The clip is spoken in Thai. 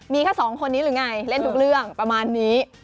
มีแค่สองคนนี้หรือไงเล่นทุกเรื่องประมาณนี้